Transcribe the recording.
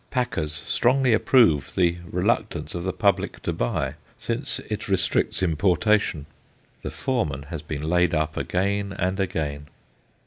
Packers strongly approve the reluctance of the public to buy, since it restricts importation. The foreman has been laid up again and again.